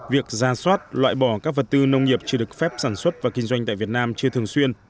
việc ra soát loại bỏ các vật tư nông nghiệp chưa được phép sản xuất và kinh doanh tại việt nam chưa thường xuyên